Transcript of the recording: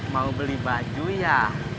mau beli baju ya